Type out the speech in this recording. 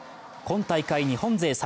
今大会、日本勢